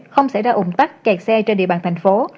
không xảy ra ủng tắc kẹt xe trên địa bàn thành phố